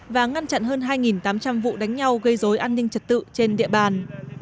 và ngăn chặn hơn hai tám trăm linh vụ đánh nhau gây dối an ninh trật tự trên địa bàn